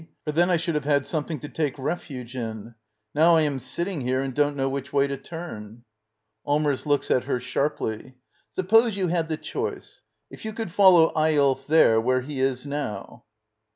For then I should have had something to take refuge in. 'Now I am sitting here and don't know which way to turn. Allmers. [Looks at her sharply.] Suppose you had the choice — If you could follow Eyolf there, where he is now —